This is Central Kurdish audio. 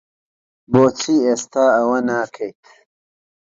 بۆچی ئێستا ئەوە ناکەیت؟